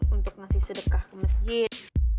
untuk ngasih sedekah ke masjid